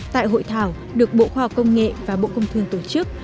tại hội thảo được bộ khoa công nghệ và bộ công thương tổ chức